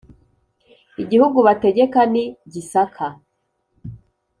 igihugu bategekaga ni gisaka